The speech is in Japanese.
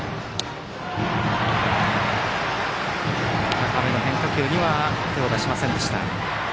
高めの変化球には手を出しませんでした。